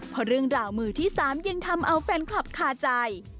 เพราะเรื่องราวมือที่๓ยังทำเอาแฟนคลับคาใจ